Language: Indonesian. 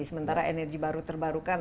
sementara energi baru terbarukan